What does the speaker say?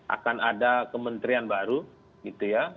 akan ada kementerian baru gitu ya